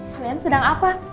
kalian sedang apa